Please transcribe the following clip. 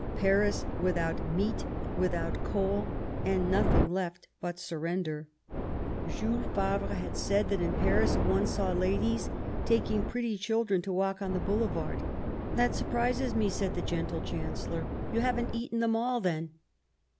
Paris, without meat, without coal, had nothing left but surrender. Jules Fa\Te had said that in Paris one saw ladies taking pretty children to walk on the Boulevard :" That surprises me," said the gentle Chancellor ;" you haven't eaten them all, then."